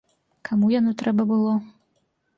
Каму яно трэба было?